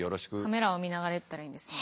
カメラを見ながら言ったらいいんですね。